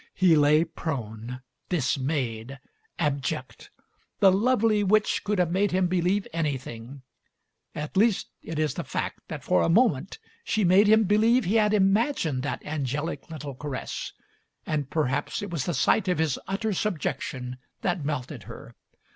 He lay prone, dismayed, abject. The lovely witch could have made him believe anything; at least it is the fact that for a moment she made him believe he had imagined that angelic little caress; and perhaps it was the sight of his utter subjection that melted her.